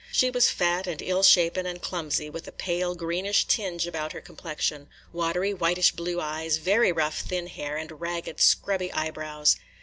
She was fat and ill shapen and clumsy, with a pale, greenish tinge to her complexion, watery, whitish blue eyes, very rough thin hair, and ragged, scrubby eyebrows.